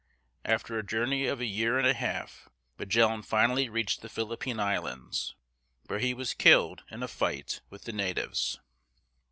After a journey of a year and a half, Magellan finally reached the Phil´ip pĭne Islands, where he was killed in a fight with the natives.